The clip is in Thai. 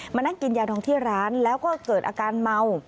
มานั่งกินยาทองที่ร้านแล้วก็เกิดอาการเมา